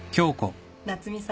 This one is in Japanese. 夏海さん